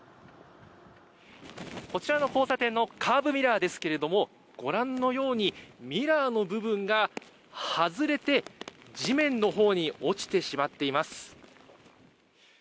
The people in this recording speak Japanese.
こちらの交差点のカーブミラーですけどもご覧のようにミラーの部分が外れて地面のほうに落ちてしまっています。